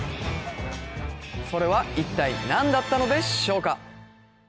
それは一体何だったのでしょうか？